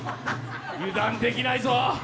油断できないぞ。